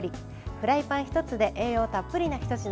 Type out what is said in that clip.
フライパン１つで栄養たっぷりなひと品。